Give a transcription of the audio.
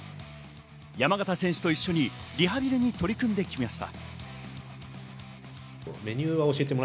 山縣選手と一緒にリハビリに取り組んできました。